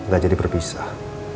gak jadi berpisah